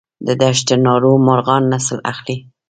د دشت ناور مرغان نسل اخلي؟